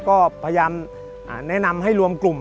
ก็พยายามแนะนำให้รวมกลุ่ม